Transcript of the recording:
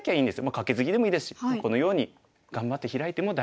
カケツギでもいいですしこのように頑張ってヒラいても大丈夫です。